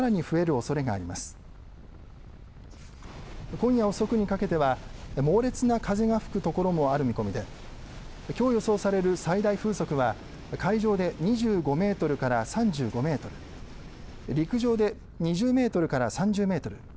今夜遅くにかけては猛烈な風が吹くところもある見込みできょう予想される最大風速は海上で２５メートルから３５メートル陸上で２０メートルから３０メートル